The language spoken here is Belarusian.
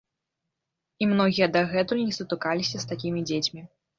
І многія дагэтуль не сутыкаліся з такімі дзецьмі.